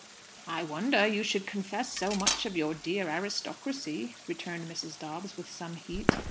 "I wonder you should confess so much of your dear aristocracy!" returned Mrs. Dobbs with some heat.